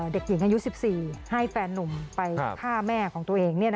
เด็กหญิงอายุ๑๔ให้แฟนนุ่มไปฆ่าแม่ของตัวเอง